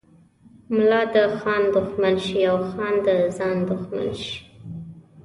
ملا د خان دښمن شي او خان د ځان دښمن شي.